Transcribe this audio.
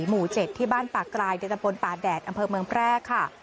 หมู่เจ็ดที่บ้านปากกลายเดือนตำปนปาแดดอำเภอเมืองแปรกค่ะ